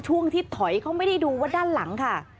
ช่วงที่ถอยเขาไม่ได้ดูว่าด้านหลังค่ะ